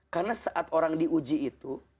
karena saat orang diuji itu